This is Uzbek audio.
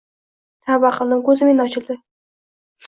Tavba qildim, koʻzim endi ochildi